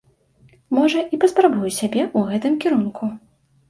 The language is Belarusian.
Можа, і паспрабую сябе ў гэтым кірунку.